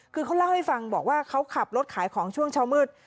คือเขาเล่าให้ฟังบอกว่าเขาขับรถขายของช่วงเช้ามืด